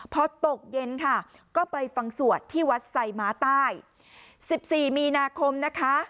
พอตกเย็นค่ะก็ไปฟังสวดที่วัดไซม้าใต้๑๔มีนาคมนะคะ